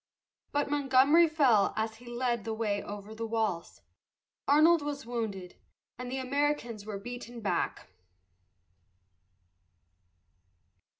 But Montgomery fell as he led the way over the walls, Arnold was wounded, and the Americans were beaten back.